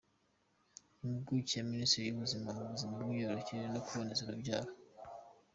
Impuguke ya Minisiteri y’Ubuzima mu buzima bw’imyororokere no kuboneza urubyaro, Dr.